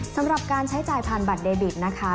สำหรับการใช้จ่ายผ่านบัตรเดบิตนะคะ